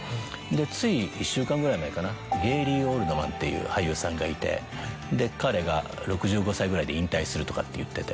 つい１週間ぐらい前かなゲイリー・オールドマンっていう俳優さんがいて彼が６５歳ぐらいで引退するとかって言ってて。